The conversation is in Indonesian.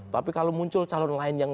tapi kalau muncul calon lain yang